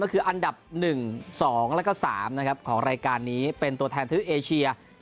ก็คืออันดับหนึ่งสองแล้วก็สามนะครับของรายการนี้เป็นตัวแทนที่เอเชีย